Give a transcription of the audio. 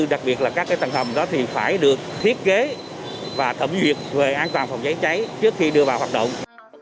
đặc biệt là các tầng hầm đó thì phải được thiết kế và thẩm duyệt về an toàn phòng cháy cháy trước khi đưa vào hoạt động